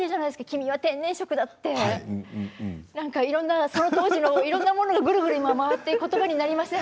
「君は天然色」って当時のいろいろなものが今、ぐるぐる回って言葉になりません。